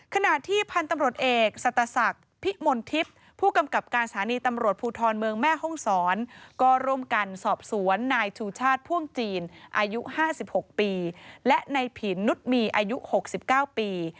ขณะที่พันธุ์ตำรวจเอกสัตศักดิ์พิมลทิพย์ผู้กำกับการสถานีตำรวจภูทรเมืองแม่ห้องศรก็ร่วมกันสอบสวนนายชูชาติพ่วงจีนอายุ๕๖ปีและในผินนุษย์มีอายุ๖๙ปี